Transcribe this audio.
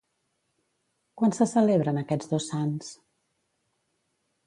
Quan se celebren aquests dos sants?